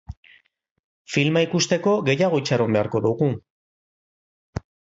Filma ikusteko, gehiago itxaron beharko dugu.